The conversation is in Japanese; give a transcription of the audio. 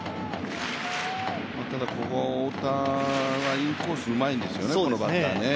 ただ、ここは太田がインコース、うまいんですよね、このバッターね。